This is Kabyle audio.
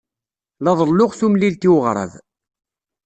La ḍelluɣ tumlilt i weɣrab.